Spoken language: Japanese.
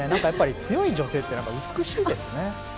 強い女性って美しいですね。